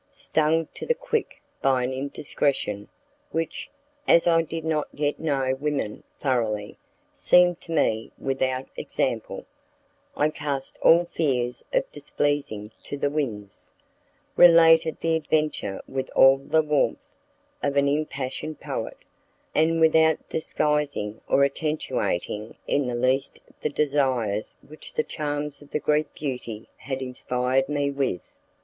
Stung to the quick by an indiscretion which, as I did not yet know women thoroughly, seemed to me without example, I cast all fears of displeasing to the winds, related the adventure with all the warmth of an impassioned poet, and without disguising or attenuating in the least the desires which the charms of the Greek beauty had inspired me with.